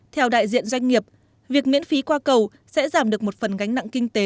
theo đại diện doanh nghiệp việc miễn phí qua cầu sẽ giảm được một phần gánh nặng kinh tế